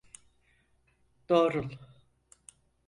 Doğrul.